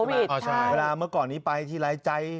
เวลาเมื่อก่อนนี้ไปทีไร้ใจ